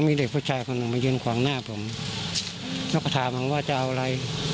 มีเด็กผู้ชายคนหนึ่งมายืนขวางหน้าผมแล้วก็ถามผมว่าจะเอาอะไร